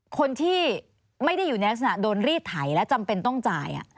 คนที่ไม่ได้อยู่ในลักษณะโดนรีดไถและจำเป็นต้องจ่าย